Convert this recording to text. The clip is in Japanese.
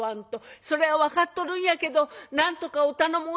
「それは分かっとるんやけどなんとかお頼申します。